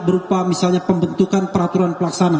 berupa misalnya pembentukan peraturan pelaksana